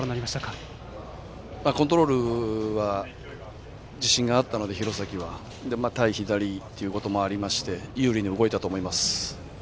廣崎はコントロールに自信があったので対左ということもありまして有利に動いたと思います。